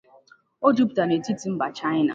O jupụtara n’etiti mbà Chaịna.